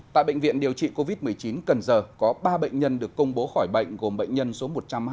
tại bệnh viện điều trị covid một mươi chín cần giờ có ba bệnh nhân được công bố khỏi bệnh gồm bệnh nhân số một trăm hai mươi